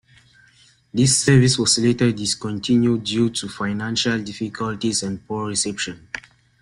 This service was later discontinued due to financial difficulties and poor reception.